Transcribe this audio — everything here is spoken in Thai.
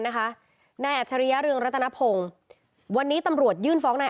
นะคะนายอัจฉริยะเรืองรัตนพงศ์วันนี้ตำรวจยื่นฟ้องนาย